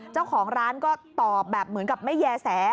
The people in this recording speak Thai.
เจ้าของร้านก็ตอบแบบเหมือนกับไม่แย่แส